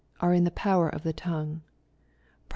" are in the power of the tongue." (Prov.